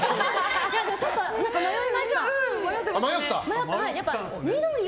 ちょっと迷いました。